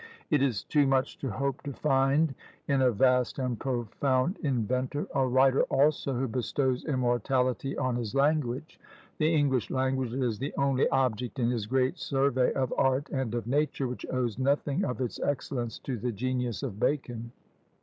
It is too much to hope to find in a vast and profound inventor a writer also who bestows immortality on his language. The English language is the only object in his great survey of art and of nature, which owes nothing of its excellence to the genius of Bacon.